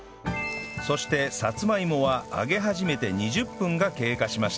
そしてさつまいもは揚げ始めて２０分が経過しました